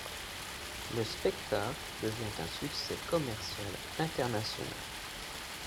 Le spectacle devient un succès commercial international.